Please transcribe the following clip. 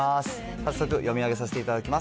早速、読み上げさせていただきます。